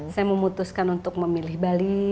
saya memutuskan untuk memilih bali